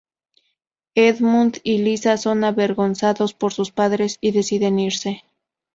Edmund y Lisa son avergonzados por sus padres y deciden irse.